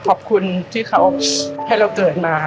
ขอบคุณที่เขาให้เราเกิดมา